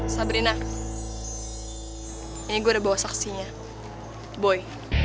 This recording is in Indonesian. sabrina ini gue udah bawa saksinya boy